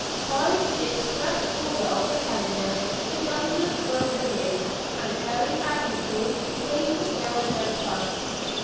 By the express order of the founder, the governors were women; and very admirably did they fulfil their trust.